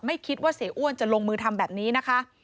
ไม่คิดว่าเสียอ้วนจะลงมือทำแบบนี้นะคะ